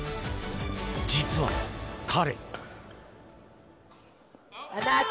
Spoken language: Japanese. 実は彼。